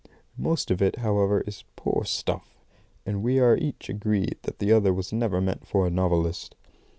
'" Most of it, however, is poor stuff, and we are each agreed that the other was never meant for a novelist.